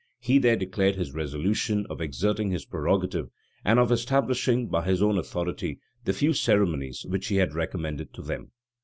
He there declared his resolution of exerting his prerogative, and of establishing, by his own authority, the few ceremonies which he had recommended to them.